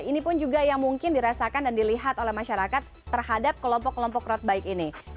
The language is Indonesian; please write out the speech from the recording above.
ini pun juga yang mungkin dirasakan dan dilihat oleh masyarakat terhadap kelompok kelompok road bike ini